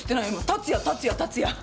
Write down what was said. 達也達也達也。